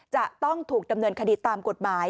จะต้องถูกดำเนินคดีตามกฎหมาย